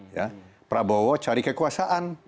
ya prabowo cari kekuasaan